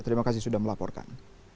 terima kasih sudah melaporkan